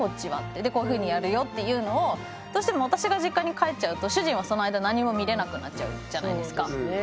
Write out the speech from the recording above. で「こういうふうにやるよ」っていうのをどうしても私が実家に帰っちゃうと主人はその間何も見れなくなっちゃうじゃないですか。